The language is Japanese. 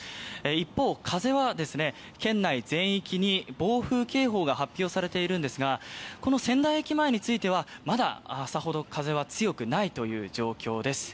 一方、風は県内全域に暴風警報が発表されているんですがこの仙台駅前についてはまだ、さほど風は強くないという状況です。